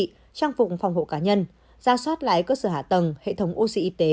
trang phụng phòng hộ cá nhân ra soát lại cơ sở hạ tầng hệ thống ô sĩ y tế